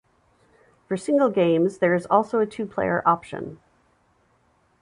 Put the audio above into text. For single games, there is also a two-player option.